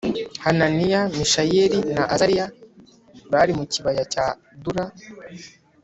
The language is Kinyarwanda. Hananiya Mishayeli na Azariya bari mu kibaya cya Dura